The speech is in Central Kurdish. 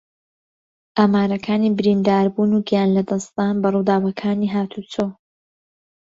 ئامارەکانی برینداربوون و گیانلەدەستدان بە ڕووداوەکانی ھاتوچۆ